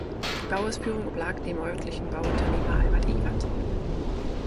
Die Bauausführung oblag dem örtlichen Bauunternehmer Albert Ewert.